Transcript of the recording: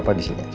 bapak disini aja